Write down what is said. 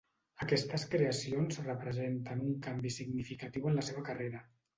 Aquestes creacions representen un canvi significatiu en la seva carrera.